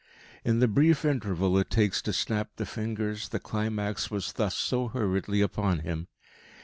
In the brief interval it takes to snap the fingers the climax was thus so hurriedly upon him.